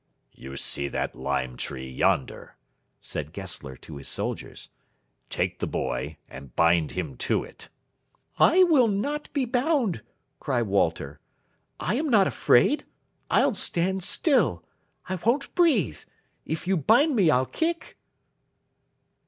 "You see that lime tree yonder," said Gessler to his soldiers; "take the boy and bind him to it." "I will not be bound!" cried Walter. "I am not afraid. I'll stand still. I won't breathe. If you bind me I'll kick!"